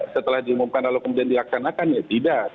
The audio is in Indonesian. setelah diumumkan lalu kemudian dilaksanakan ya tidak